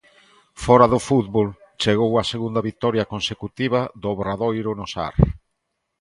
Fóra do fútbol, chegou a segunda vitoria consecutiva do Obradoiro no Sar.